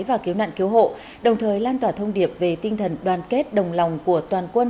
và cứu nạn cứu hộ đồng thời lan tỏa thông điệp về tinh thần đoàn kết đồng lòng của toàn quân